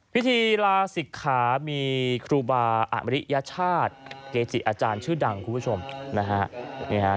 พิธีลาศิกขามีครูบาอมริยชาติเกจิอาจารย์ชื่อดังคุณผู้ชมนะฮะ